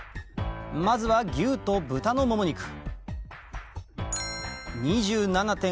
まずは牛と豚のもも肉